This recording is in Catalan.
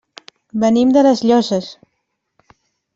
Venim de les Llosses.